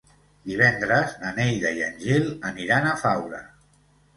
Divendres na Neida i en Gil aniran a Faura.